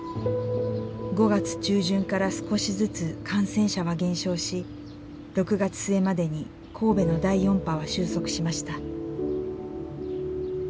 ５月中旬から少しずつ感染者は減少し６月末までに神戸の第４波は収束しました。